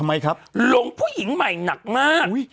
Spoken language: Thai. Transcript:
หลงผู้หญิงใหม่หนักมาก